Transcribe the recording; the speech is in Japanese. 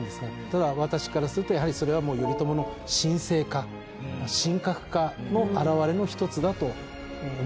ただ私からするとやはりそれはもう頼朝の神聖化神格化の表れの一つだと思われます。